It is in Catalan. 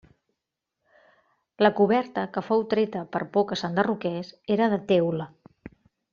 La coberta, que fou treta per por que s'enderroqués, era de teula.